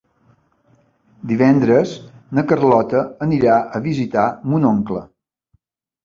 Divendres na Carlota anirà a visitar mon oncle.